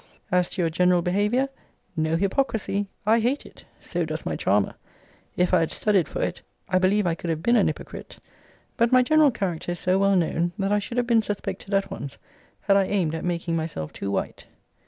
As to your general behaviour; no hypocrisy! I hate it: so does my charmer. If I had studied for it, I believe I could have been an hypocrite: but my general character is so well known, that I should have been suspected at once, had I aimed at making myself too white.